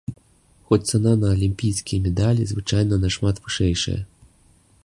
Хоць цана на алімпійскія медалі звычайна нашмат вышэйшая.